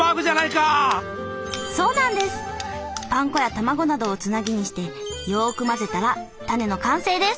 パン粉や卵などをつなぎにしてよく混ぜたらタネの完成です。